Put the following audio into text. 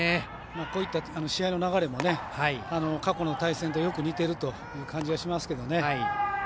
こういった試合の流れも過去の対戦とよく似ているという感じがしますけどね。